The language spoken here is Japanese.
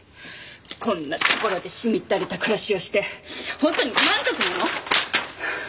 こんな所でしみったれた暮らしをしてほんとに満足なの？